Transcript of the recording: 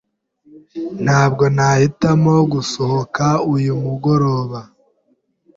Ntabwo nahitamo gusohoka uyu mugoroba.